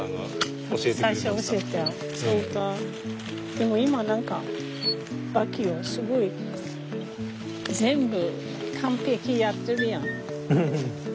でも今何かバッキーはすごい全部完璧やってるやん。